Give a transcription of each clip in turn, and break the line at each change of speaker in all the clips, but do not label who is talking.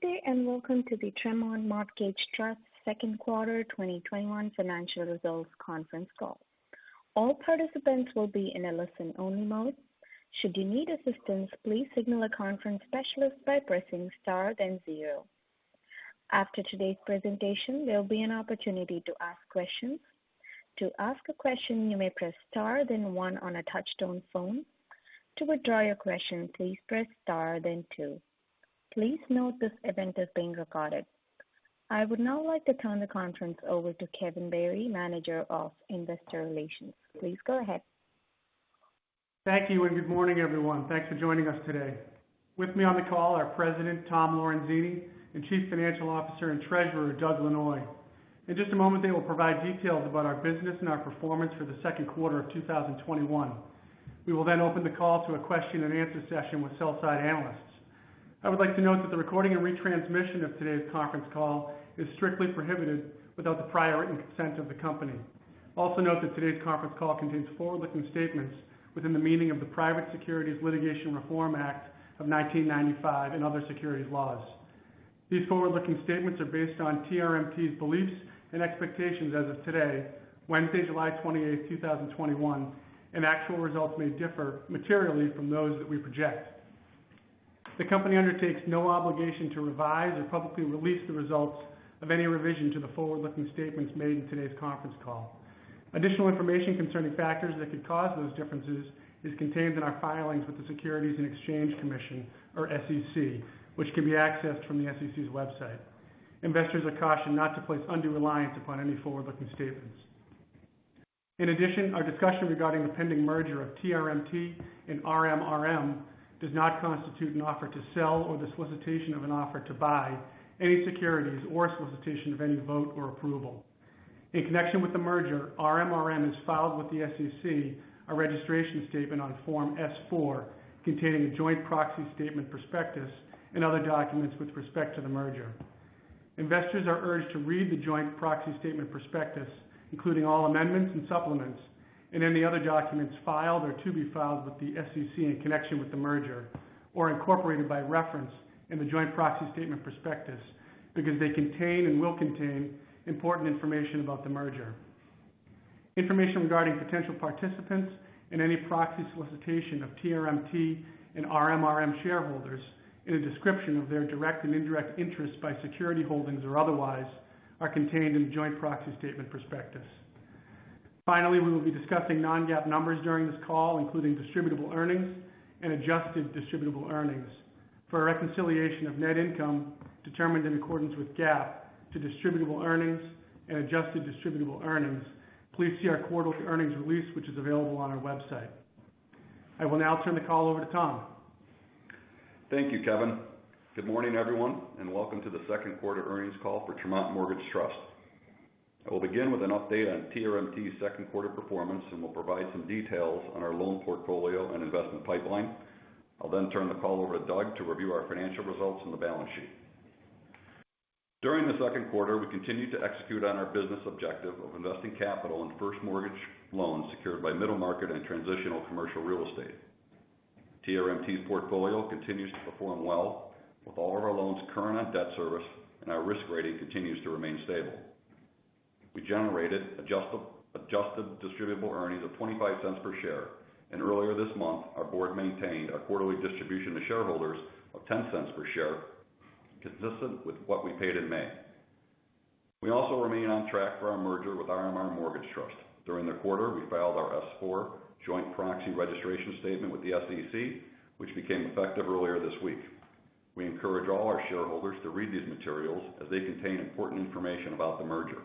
Good day, and welcome to the Tremont Mortgage Trust second quarter 2021 financial results conference call. All participants will be in a listen-only mode. Should you need assistance, please signal a conference specialist by pressing star then zero. After today's presentation, there will be an opportunity to ask questions. To ask a question, you may press star then one on a touch-tone phone. To withdraw your question, please press star then two. Please note this event is being recorded. I would now like to turn the conference over to Kevin Barry, Manager of Investor Relations. Please go ahead.
Thank you, and good morning, everyone. Thanks for joining us today. With me on the call are President Tom Lorenzini and Chief Financial Officer and Treasurer Doug Lanois. In just a moment, they will provide details about our business and our performance for the second quarter of 2021. We will then open the call to a question and answer session with sell-side analysts. I would like to note that the recording and retransmission of today's conference call is strictly prohibited without the prior written consent of the company. Note that today's conference call contains forward-looking statements within the meaning of the Private Securities Litigation Reform Act of 1995 and other securities laws. These forward-looking statements are based on TRMT's beliefs and expectations as of today, Wednesday, July 28th, 2021, and actual results may differ materially from those that we project. The company undertakes no obligation to revise or publicly release the results of any revision to the forward-looking statements made in today's conference call. Additional information concerning factors that could cause those differences is contained in our filings with the Securities and Exchange Commission, or SEC, which can be accessed from the SEC's website. Investors are cautioned not to place undue reliance upon any forward-looking statements. In addition, our discussion regarding the pending merger of TRMT and RMRM does not constitute an offer to sell or the solicitation of an offer to buy any securities or solicitation of any vote or approval. In connection with the merger, RMRM has filed with the SEC a registration statement on Form S-4 containing a joint proxy statement prospectus and other documents with respect to the merger. Investors are urged to read the joint proxy statement prospectus, including all amendments and supplements, and any other documents filed or to be filed with the SEC in connection with the merger, or incorporated by reference in the joint proxy statement prospectus, because they contain and will contain important information about the merger. Information regarding potential participants in any proxy solicitation of TRMT and RMRM shareholders in a description of their direct and indirect interest by security holdings or otherwise are contained in the joint proxy statement prospectus. Finally, we will be discussing non-GAAP numbers during this call, including distributable earnings and adjusted distributable earnings. For a reconciliation of net income determined in accordance with GAAP to distributable earnings and adjusted distributable earnings, please see our quarterly earnings release, which is available on our website. I will now turn the call over to Tom.
Thank you, Kevin. Good morning, everyone, and welcome to the second quarter earnings call for Tremont Mortgage Trust. I will begin with an update on TRMT's second quarter performance and will provide some details on our loan portfolio and investment pipeline. I'll turn the call over to Doug to review our financial results and the balance sheet. During the second quarter, we continued to execute on our business objective of investing capital in first mortgage loans secured by middle market and transitional commercial real estate. TRMT's portfolio continues to perform well with all of our loans current on debt service and our risk rating continues to remain stable. We generated adjusted distributable earnings of $0.25 per share, and earlier this month, our board maintained our quarterly distribution to shareholders of $0.10 per share, consistent with what we paid in May. We also remain on track for our merger with RMR Mortgage Trust. During the quarter, we filed our S-4 joint proxy registration statement with the SEC, which became effective earlier this week. We encourage all our shareholders to read these materials as they contain important information about the merger.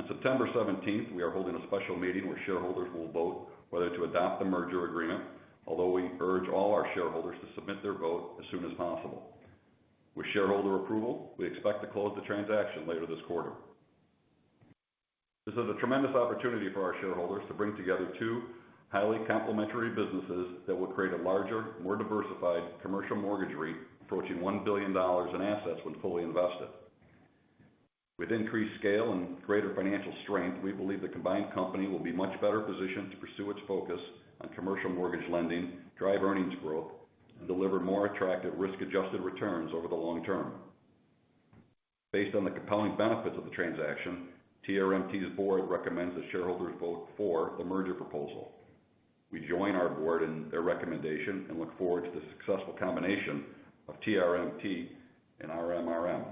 On September 17th, we are holding a special meeting where shareholders will vote whether to adopt the merger agreement, although we urge all our shareholders to submit their vote as soon as possible. With shareholder approval, we expect to close the transaction later this quarter. This is a tremendous opportunity for our shareholders to bring together two highly complementary businesses that will create a larger, more diversified commercial mortgage REIT approaching $1 billion in assets when fully invested. With increased scale and greater financial strength, we believe the combined company will be much better positioned to pursue its focus on commercial mortgage lending, drive earnings growth, and deliver more attractive risk-adjusted returns over the long term. Based on the compelling benefits of the transaction, TRMT's board recommends that shareholders vote for the merger proposal. We join our board in their recommendation and look forward to the successful combination of TRMT and RMRM.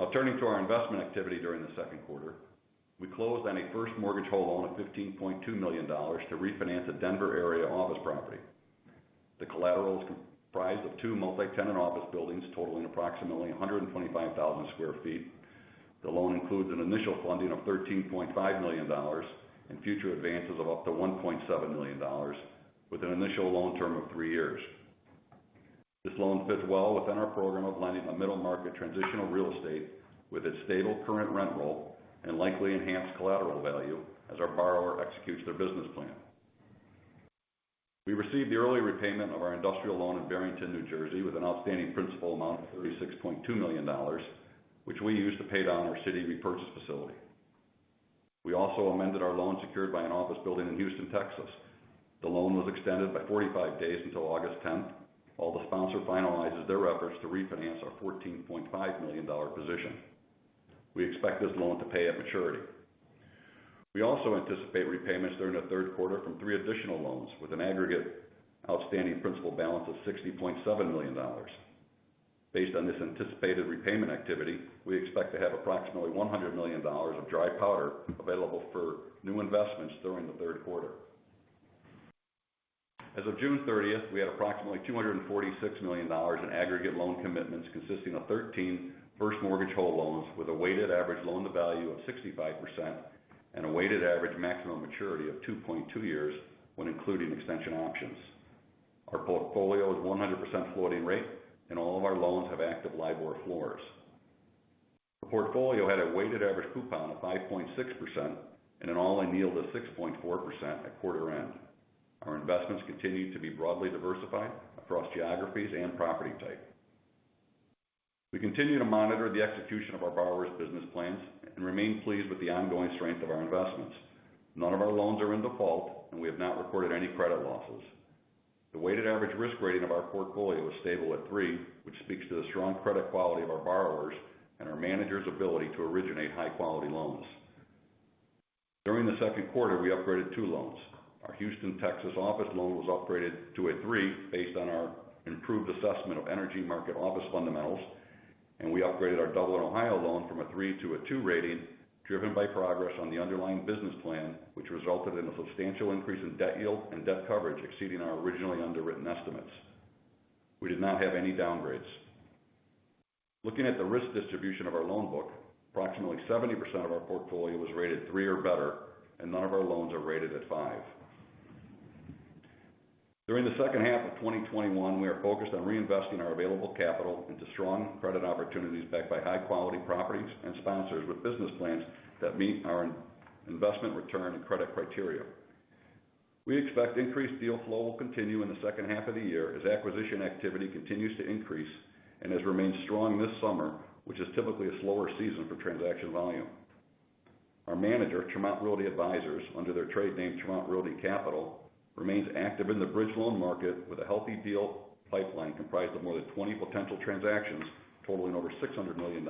Now turning to our investment activity during the second quarter. We closed on a first mortgage whole loan of $15.2 million to refinance a Denver area office property. The collateral is comprised of two multi-tenant office buildings totaling approximately 125,000 sq ft. The loan includes an initial funding of $13.5 million and future advances of up to $1.7 million with an initial loan term of three years. This loan fits well within our program of lending on middle-market transitional real estate with its stable current rent roll and likely enhanced collateral value as our borrower executes their business plan. We received the early repayment of our industrial loan in Barrington, New Jersey, with an outstanding principal amount of $36.2 million, which we used to pay down our Citi repurchase facility. We also amended our loan secured by an office building in Houston, Texas. The loan was extended by 45 days until August 10th, while the sponsor finalizes their efforts to refinance our $14.5 million position. We expect this loan to pay at maturity. We also anticipate repayments during the third quarter from three additional loans with an aggregate outstanding principal balance of $60.7 million. Based on this anticipated repayment activity, we expect to have approximately $100 million of dry powder available for new investments during the third quarter. As of June 30th, we had approximately $246 million in aggregate loan commitments consisting of 13 first mortgage whole loans with a weighted average loan to value of 65% and a weighted average maximum maturity of 2.2 years when including extension options. Our portfolio is 100% floating rate and all of our loans have active LIBOR floors. The portfolio had a weighted average coupon of 5.6% and an all-in yield of 6.4% at quarter end. Our investments continue to be broadly diversified across geographies and property type. We continue to monitor the execution of our borrowers' business plans and remain pleased with the ongoing strength of our investments. None of our loans are in default and we have not recorded any credit losses. The weighted average risk rating of our portfolio is stable at three, which speaks to the strong credit quality of our borrowers and our managers' ability to originate high quality loans. During the second quarter, we upgraded two loans. Our Houston, Texas office loan was upgraded to a three based on our improved assessment of energy market office fundamentals, and we upgraded our Dublin, Ohio loan from a three to a two rating driven by progress on the underlying business plan, which resulted in a substantial increase in debt yield and debt coverage exceeding our originally underwritten estimates. We did not have any downgrades. Looking at the risk distribution of our loan book, approximately 70% of our portfolio was rated three or better, and none of our loans are rated at five. During the second half of 2021, we are focused on reinvesting our available capital into strong credit opportunities backed by high quality properties and sponsors with business plans that meet our investment return and credit criteria. We expect increased deal flow will continue in the second half of the year as acquisition activity continues to increase and has remained strong this summer, which is typically a slower season for transaction volume. Our manager, Tremont Realty Advisors, under their trade name, Tremont Realty Capital, remains active in the bridge loan market with a healthy deal pipeline comprised of more than 20 potential transactions totaling over $600 million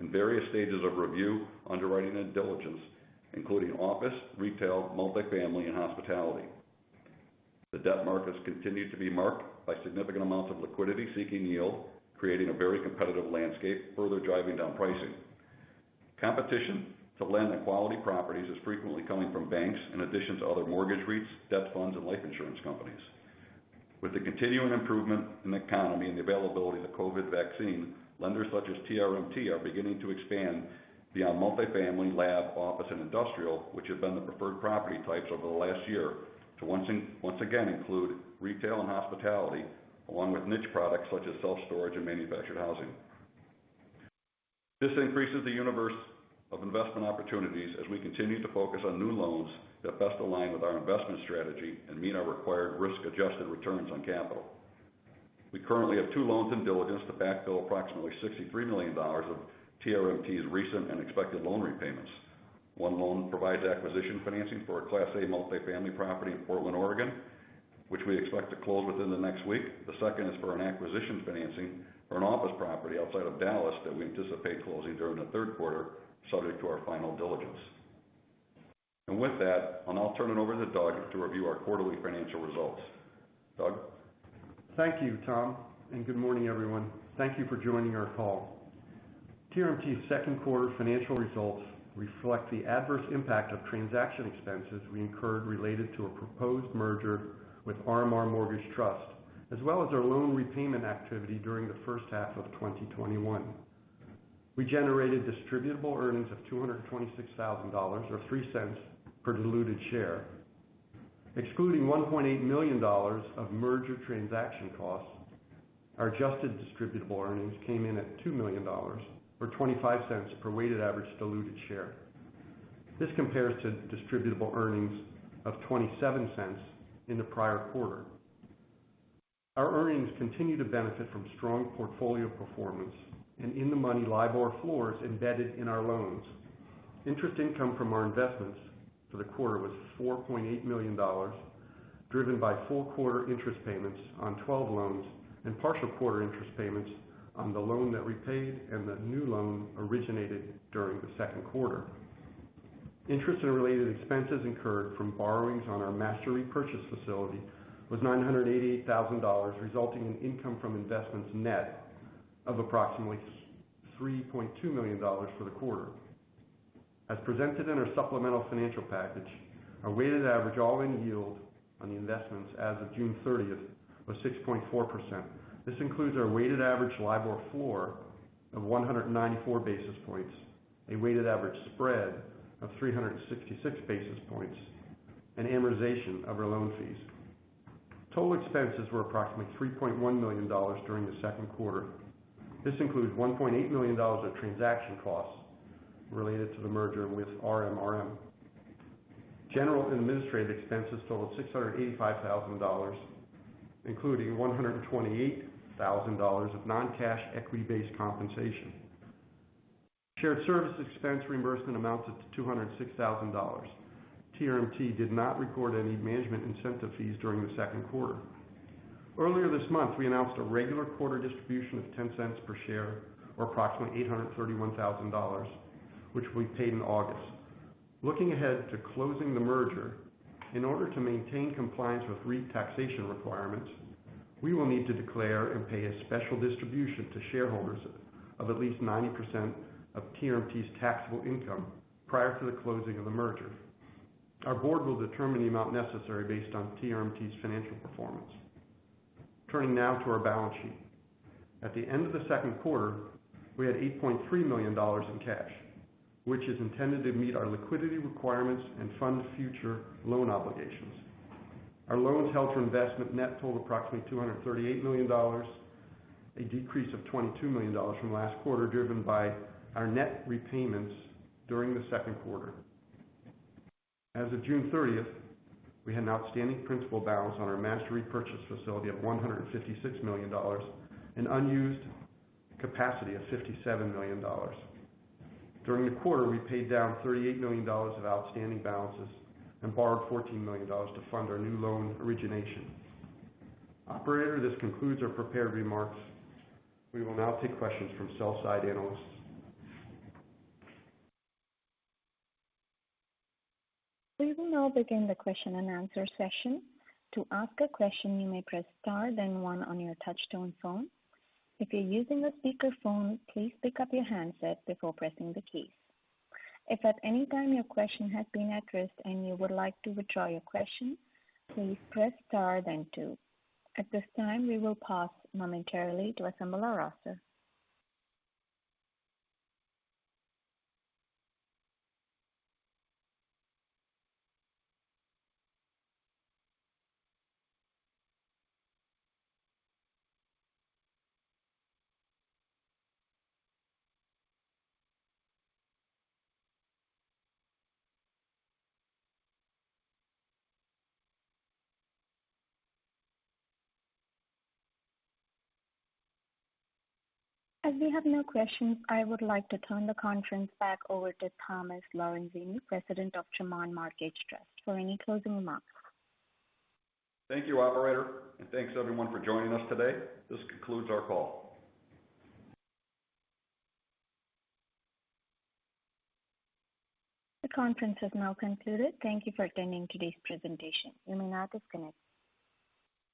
in various stages of review, underwriting, and diligence, including office, retail, multifamily, and hospitality. The debt markets continue to be marked by significant amounts of liquidity seeking yield, creating a very competitive landscape, further driving down pricing. Competition to lend to quality properties is frequently coming from banks in addition to other mortgage REITs, debt funds, and life insurance companies. With the continuing improvement in the economy and the availability of the COVID vaccine, lenders such as TRMT are beginning to expand beyond multifamily, lab, office, and industrial, which have been the preferred property types over the last year to once again include retail and hospitality along with niche products such as self-storage and manufactured housing. This increases the universe of investment opportunities as we continue to focus on new loans that best align with our investment strategy and meet our required risk-adjusted returns on capital. We currently have two loans in diligence to backfill approximately $63 million of TRMT's recent and expected loan repayments. One loan provides acquisition financing for a class A multifamily property in Portland, Oregon, which we expect to close within the next week. The second is for an acquisition financing for an office property outside of Dallas that we anticipate closing during the third quarter subject to our final diligence. With that, I'll now turn it over to Doug to review our quarterly financial results. Doug?
Thank you, Tom, and good morning, everyone. Thank you for joining our call. TRMT's second quarter financial results reflect the adverse impact of transaction expenses we incurred related to a proposed merger with RMR Mortgage Trust, as well as our loan repayment activity during the first half of 2021. We generated distributable earnings of $226,000, or $0.03 per diluted share. Excluding $1.8 million of merger transaction costs, our adjusted distributable earnings came in at $2 million, or $0.25 per weighted average diluted share. This compares to distributable earnings of $0.27 in the prior quarter. Our earnings continue to benefit from strong portfolio performance and in-the-money LIBOR floors embedded in our loans. Interest income from our investments for the quarter was $4.8 million, driven by full quarter interest payments on 12 loans and partial quarter interest payments on the loan that repaid and the new loan originated during the second quarter. Interest and related expenses incurred from borrowings on our Master Repurchase Facility was $988,000, resulting in income from investments net of approximately $3.2 million for the quarter. As presented in our supplemental financial package, our weighted average all-in yield on the investments as of June 30th was 6.4%. This includes our weighted average LIBOR floor of 194 basis points, a weighted average spread of 366 basis points, and amortization of our loan fees. Total expenses were approximately $3.1 million during the second quarter. This includes $1.8 million of transaction costs related to the merger with RMRM. General and administrative expenses totaled $685,000, including $128,000 of non-cash equity-based compensation. Shared service expense reimbursement amounted to $206,000. TRMT did not record any management incentive fees during the second quarter. Earlier this month, we announced a regular quarter distribution of $0.10 per share, or approximately $831,000, which we paid in August. Looking ahead to closing the merger, in order to maintain compliance with REIT taxation requirements, we will need to declare and pay a special distribution to shareholders of at least 90% of TRMT's taxable income prior to the closing of the merger. Our board will determine the amount necessary based on TRMT's financial performance. Turning now to our balance sheet. At the end of the second quarter, we had $8.3 million in cash, which is intended to meet our liquidity requirements and fund future loan obligations. Our loans held for investment net totaled approximately $238 million, a decrease of $22 million from last quarter, driven by our net repayments during the second quarter. As of June 30th, we had an outstanding principal balance on our Master Repurchase Facility of $156 million, an unused capacity of $57 million. During the quarter, we paid down $38 million of outstanding balances and borrowed $14 million to fund our new loan origination. Operator, this concludes our prepared remarks. We will now take questions from sell-side analysts.
We will now begin the question and answer session. To ask a question, you may press star then one on your touch-tone phone. If you're using a speakerphone, please pick up your handset before pressing the key. If at any time your question has been addressed and you would like to withdraw your question, please press star then two. At this time, we will pause momentarily to assemble our roster. As we have no questions, I would like to turn the conference back over to Thomas Lorenzini, President of Tremont Mortgage Trust, for any closing remarks.
Thank you, Operator, and thanks everyone for joining us today. This concludes our call.
The conference has now concluded. Thank you for attending today's presentation. You may now disconnect.